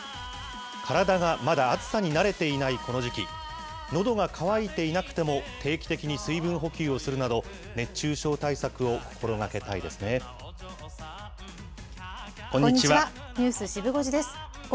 体がまだ暑さに慣れていないこの時期、のどが渇いていなくても、定期的に水分補給をするなど、熱中症対策を心がけたいですね。